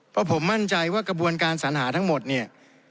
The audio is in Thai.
เพราะผมมั่นใจว่ากระบวนการสัญหาทั้งหมดเนี่ย